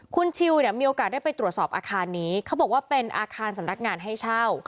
คุณชิลเนี่ยมีโอกาสได้ไปตรวจสอบอาคารนี้เขาบอกว่าเป็นอาคารสำนักงานให้เช่า